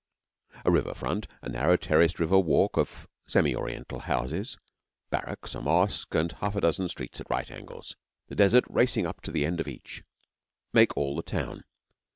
A river front, a narrow terraced river walk of semi oriental houses, barracks, a mosque, and half a dozen streets at right angles, the Desert racing up to the end of each, make all the town.